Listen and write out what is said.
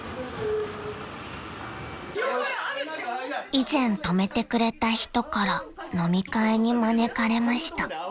［以前泊めてくれた人から飲み会に招かれました］